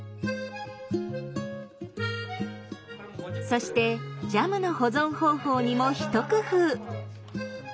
そしてジャムの保存方法にも一工夫。